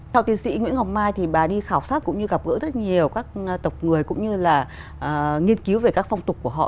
theo tiến sĩ nguyễn ngọc mai thì bà đi khảo sát cũng như gặp gỡ rất nhiều các tộc người cũng như là nghiên cứu về các phong tục của họ